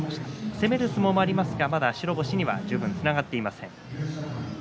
攻める相撲がありますが白星にはつながっていません。